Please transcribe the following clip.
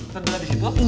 ternyata di situ